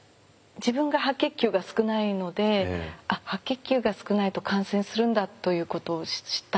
自分が白血球が少ないので白血球が少ないと感染するんだということを知ったんですけども。